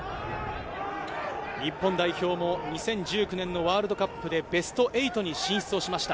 日本代表も２０１９年のワールドカップでベスト８に進出しました。